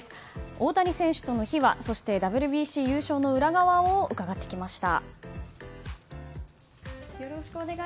大谷選手との秘話そして、ＷＢＣ優勝の裏側を伺ってきました。